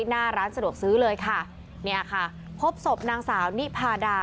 หน้าร้านสะดวกซื้อเลยค่ะเนี่ยค่ะพบศพนางสาวนิพาดา